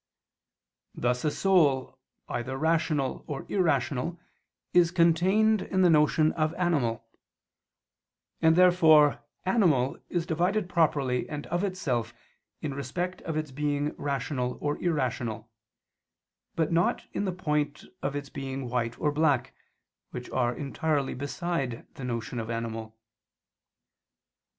Thus a soul either rational or irrational is contained in the notion of animal: and therefore animal is divided properly and of itself in respect of its being rational or irrational; but not in the point of its being white or black, which are entirely beside the notion of animal.